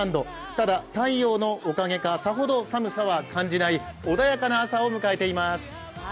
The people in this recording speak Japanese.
ただ、太陽のおかげか、さほど寒さは感じない、穏やかな朝を迎えています。